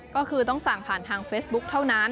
ก็คือต้องสั่งผ่านทางเฟซบุ๊คเท่านั้น